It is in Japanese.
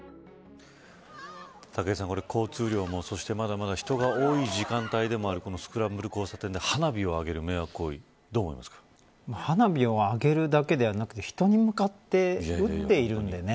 武井さん、これ交通量もそして、まだまだ人が多い時間帯でもあるスクランブル交差点で花火を上げる迷惑行為花火を上げるだけではなくて人に向かって打っているんでね。